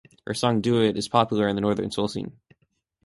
Her song "Do It" is popular in the northern soul scene.